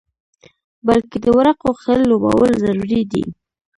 بلکې د ورقو ښه لوبول ضروري دي.